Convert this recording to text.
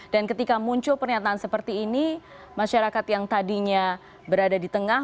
dan ketika muncul pernyataan seperti ini masyarakat yang tadinya berada di tengah